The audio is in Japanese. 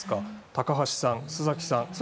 高橋さん、須崎さん